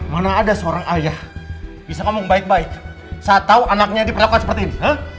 mana ada seorang ayah bisa ngomong baik baik saya tahu anaknya diperlakukan seperti ini